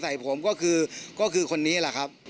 ใส่ผมก็คือคนนี้แหละครับ